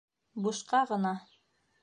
Бушҡа ғына.